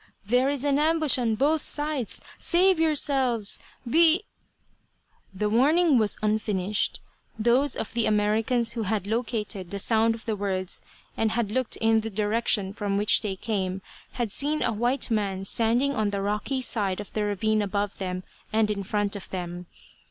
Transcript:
There is an ambush on both sides! Save yourselves! Be " The warning was unfinished. Those of the Americans who had located the sound of the words and had looked in the direction from which they came, had seen a white man standing on the rocky side of the ravine above them and in front of them.